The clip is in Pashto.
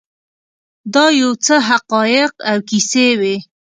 دا یو څه حقایق او کیسې وې.